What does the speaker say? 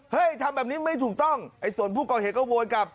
ทำแบบนี้ไม่ถูกต้องไอ้ส่วนผู้ก่อเหตุก็โวนกลับ